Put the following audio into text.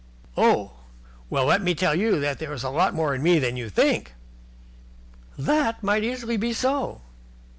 "Oh! Well, let me tell you that there is a lot more in me than you think." "That might easily be so."